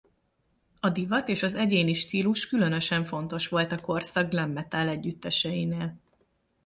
A divat és az egyéni stílus különösen fontos volt a korszak glam metal együtteseinél.